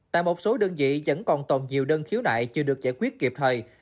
tại một số đơn vị vẫn còn tồn nhiều đơn khiếu nại chưa được giải quyết kịp thời